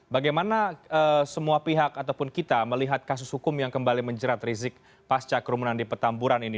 bagaimana semua pihak ataupun kita melihat kasus hukum yang kembali menjerat rizik pasca kerumunan di petamburan ini